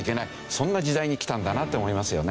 そんな時代に来たんだなって思いますよね。